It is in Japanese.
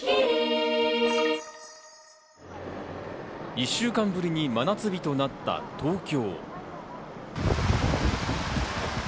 １週間ぶりに真夏日となった東京。